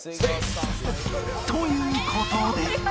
という事で